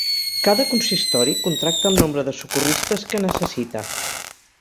Cada consistori contracta el nombre de socorristes que necessita.